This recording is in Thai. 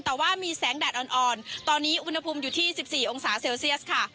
แต่ว่ามีแสงแดดอ่อนตอนนี้อุณหภูมิอยู่ที่๑๔องศาเซลเซียสค่ะ